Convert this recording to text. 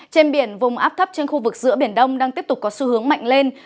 trên biển vùng áp thấp trên khu vực giữa biển đông đang tiếp tục có xu hướng mạnh lên